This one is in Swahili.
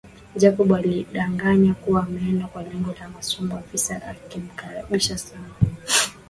Jacob alidanganya kuwa ameenda kwa lengo la masomo afisa alimkaribisha sana